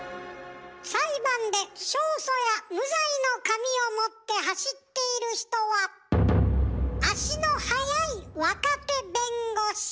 裁判で勝訴や無罪の紙を持って走っている人は足の速い若手弁護士！